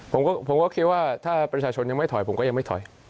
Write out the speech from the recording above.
ผมก็คิดว่าถ้าประชาชนยังไม่ถอยผมก็ยังไม่ถอย